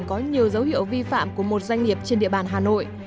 có nhiều dấu hiệu vi phạm của một doanh nghiệp trên địa bàn hà nội